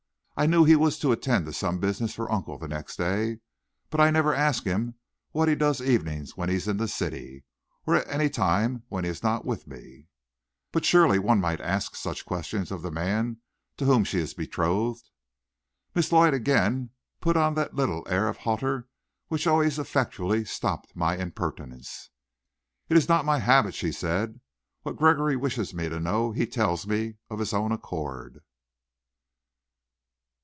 I knew he was to attend to some business for Uncle the next day, but I never ask him what he does evenings when he is in the city, or at any time when he is not with me." "But surely one might ask such questions of the man to whom she is betrothed." Miss Lloyd again put on that little air of hauteur which always effectually stopped my "impertinence." "It is not my habit," she said. "What Gregory wishes me to know he tells me of his own accord."